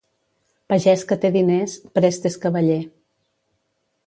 Pagès que té diners, prest és cavaller.